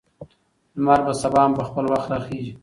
لمر به سبا هم په خپل وخت راخیژي.